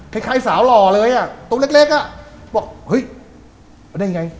คล้ายคล้ายสาวหล่อเลยอ่ะตัวเล็กเล็กอ่ะบอกเฮ้ยว่าได้ยังไง